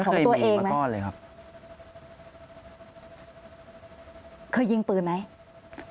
ก็คลิปออกมาแบบนี้เลยว่ามีอาวุธปืนแน่นอน